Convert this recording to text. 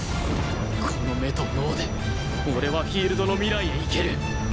この目と脳で俺はフィールドの未来へ行ける